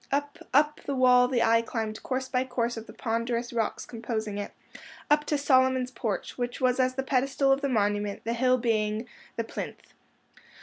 Up, up the wall the eye climbed course by course of the ponderous rocks composing it—up to Solomon's Porch, which was as the pedestal of the monument, the hill being the plinth.